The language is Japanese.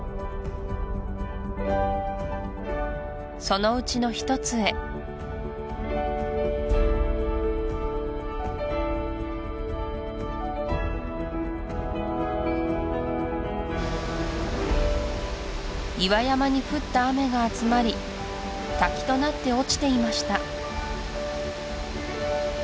そのうちの一つへ岩山に降った雨が集まり滝となって落ちていました